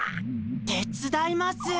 てつだいます。